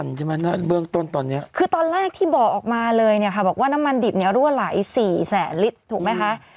เรื่องของแบบคือตอนแรกที่บอกออกมาเลยบอกว่าน้ำมันดิบรั่วไหล๔แสนลิตรถูกไหมคะ